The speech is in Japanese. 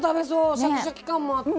シャキシャキ感もあって。